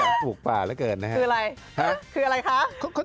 ไม่ได้ว่าอะไรโจ